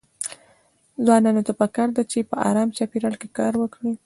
ځوانانو ته پکار ده چې په ارام چاپيريال کې کار وکړي.